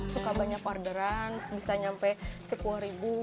suka banyak orderan bisa sampai sepuluh